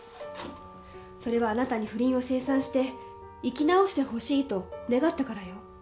それはあなたに不倫を清算して生き直してほしいと願ったからよ